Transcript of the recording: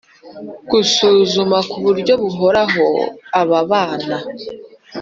gusuzuma ku buryo buhoraho aba bana